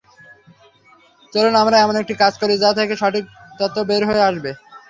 চলুন আমরা এমন একটি কাজ করি যা থেকে সঠিক তথ্য বের হয়ে আসবে।